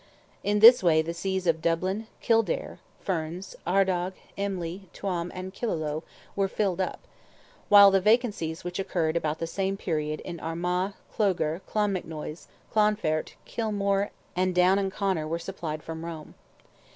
In this way the Sees of Dublin, Kildare, Ferns, Ardagh, Emly, Tuam and Killaloe were filled up; while the vacancies which occurred about the same period in Armagh, Clogher, Clonmacnoise, Clonfert, Kilmore, and Down and Conor were supplied from Rome.